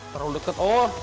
perlu deket oh